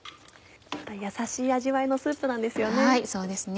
やさしい味わいのスープなんですよね。